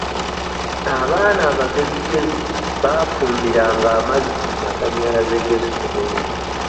Abaana abagezigezi baafumbiranga amazzi ku masannyalaze g'essomero.